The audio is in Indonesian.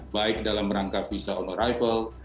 baik dalam rangka visa on arrival